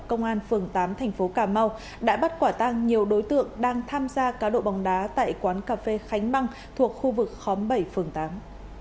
công an phường tám thành phố cà mau đã bắt quả tang nhiều đối tượng đang tham gia cá độ bóng đá tại quán cà phê khánh băng thuộc khu vực khóm bảy phường tám